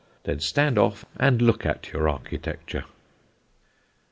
Then stand off and look at your architecture."